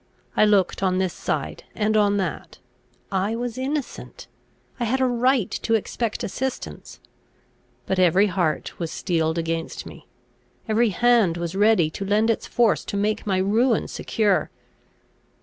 I looked on this side and on that: I was innocent; I had a right to expect assistance; but every heart was steeled against me; every hand was ready to lend its force to make my ruin secure.